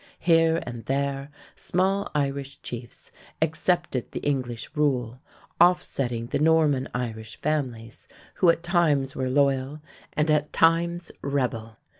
Here and there small Irish chiefs accepted the English rule, offsetting the Norman Irish families who at times were "loyal" and at times "rebel."